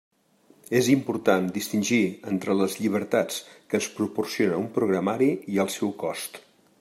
És important distingir entre les llibertats que ens proporciona un programari i el seu cost.